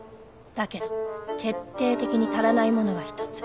だけど決定的に足らないものが一つ